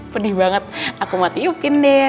pedih banget aku mau tiupin deh